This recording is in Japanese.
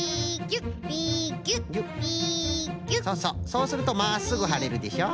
そうするとまっすぐはれるでしょ。